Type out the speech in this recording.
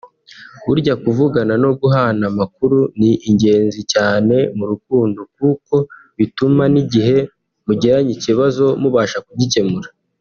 Burya kuvugana no guhana amakuru ni ingenzi cyane mu rukundo kuko bituma n’igihe mugiranye ikibazo mubasha kugikemura